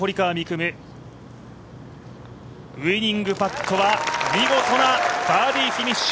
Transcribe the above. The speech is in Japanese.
夢、ウイニングパットは見事なバーディーフィニッシュ。